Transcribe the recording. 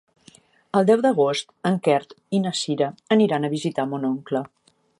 El deu d'agost en Quer i na Cira aniran a visitar mon oncle.